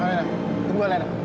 alena tunggu alena